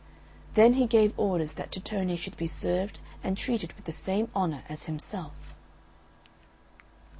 Then he gave orders that Tittone should be served and treated with the same honour as himself.